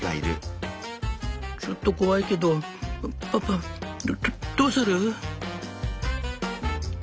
ちょっと怖いけどパパどどうする？